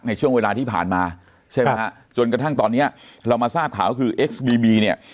ในช่วงเวลาที่ผ่านมาใช่ไหมฮะจนกระทั่งตอนเนี้ยเรามาทราบข่าวก็คือเอ็กซ์บีบีเนี่ย